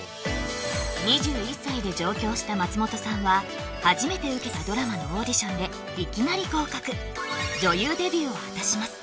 ２１歳で上京した松本さんは初めて受けたドラマのオーディションでいきなり合格女優デビューを果たします